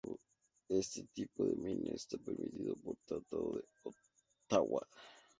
Este tipo de mina está permitido por Tratado de Ottawa.